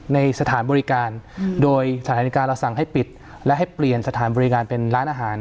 ในสถานบริการโดยสถานการณ์เราสั่งให้ปิดและให้เปลี่ยนสถานบริการเป็นร้านอาหาร